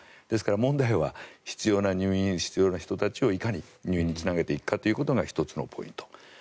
ですから、問題は入院が必要な人をいかに入院につなげていくかということが１つのポイント。